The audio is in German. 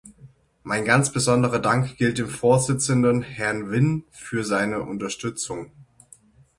Mein ganz besonderer Dank gilt dem Vorsitzenden, Herrn Wynn, für seine Unterstützung.